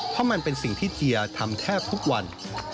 เพราะมันเป็นสิ่งที่เทียทำแทบทุกวัน